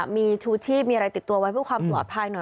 มีชูชีพมีอะไรติดตัวไว้เพื่อความปลอดภัยหน่อย